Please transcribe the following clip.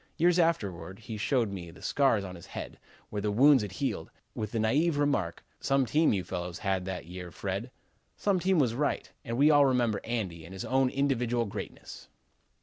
Years afterward he showed me the scars on his head, where the wounds had healed, with the naïve remark: 'Some team you fellows had that year, Fred.' Some team was right. And we all remember Andy and his own individual greatness."